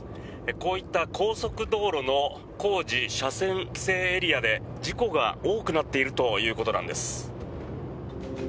こういった高速道路の工事車線規制エリアで事故が多くなっているということなんです。